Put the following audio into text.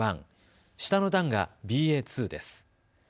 ．１、下の段がＢＡ．２です。